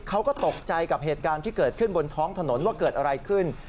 เขาก็ตกใจกับเหตุการณ์ที่เกิดขึ้นบนท้องถนนว่าเกิดอะไรขึ้น